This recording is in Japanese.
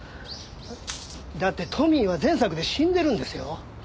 だってトミーは前作で死んでるんですよ。